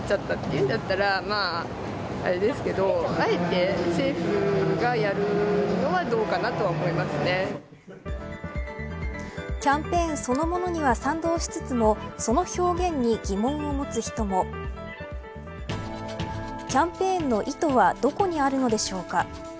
と、賛成意見がある一方で。キャンペーンそのものには賛同しつつもその表現に疑問を持つ人も。キャンペーンの意図はどこにあるのでしょうか。